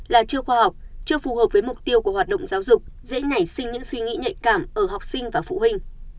là chưa khoa học chưa phù hợp với mục tiêu của hoạt động giáo dục dễ nảy sinh những suy nghĩ nhạy cảm ở học sinh và phụ huynh